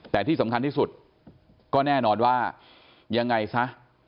แต่ที่สำคัญที่สุดก็แน่นอนว่ายังไงซะ